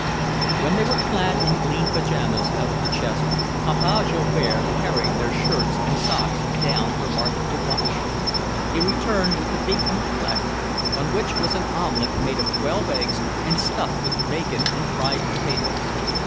When they were clad in clean pyjamas out of the chest, Papa Joubert carried their shirts and socks down for Martha to wash. He returned with the big meat platter, on which was an omelette made of twelve eggs and stuffed with bacon and fried potatoes.